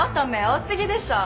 多過ぎでしょ。